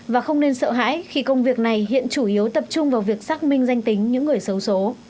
và không nên sợ hãi khi công việc này hiện chủ yếu tập trung vào việc xác minh danh tính những người xấu xố